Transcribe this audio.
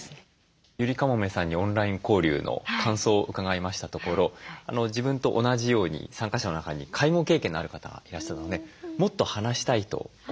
ゆりかもめさんにオンライン交流の感想を伺いましたところ自分と同じように参加者の中に介護経験のある方がいらっしゃるのでもっと話したいと思ったと。